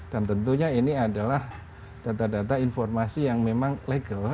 dan tentunya ini adalah data data informasi yang memang legal